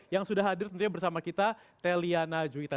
yang sudah hadir tentunya bersama kita teliana juwita